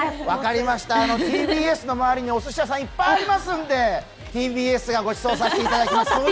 分かりました、ＴＢＳの周りにおすし屋さんがいっぱいありますので、ＴＢＳがごちそうさせていただきます